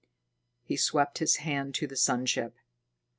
He swept his hand to the sun ship.